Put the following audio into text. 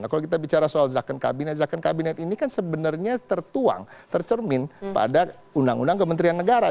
kalau kita bicara soal zakon kabinet zakon kabinet ini kan sebenarnya tertuang tercermin pada undang undang kementerian negara